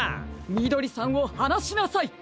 みどりさんをはなしなさい！